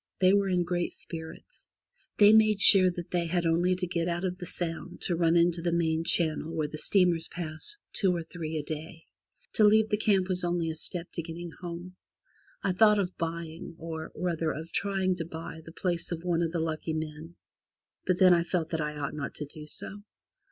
They were in great spirits. They made sure that they had only to get out of the Sound to run into the main channel where the steamers pass two or three a day. To leave that camp was only a step to getting home. I thought of buying or, rather, of trying to buy the place of one of the lucky men, but then I felt that I ought not to do so.